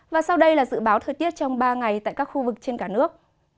và sau đây là dự báo thời tiết trong ba ngày tại các khu vực trên cả nước